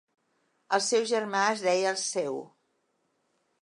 El seu germà es deia Alceu.